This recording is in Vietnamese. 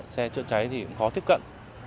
xe chữa cháy cũng khó tiếp cận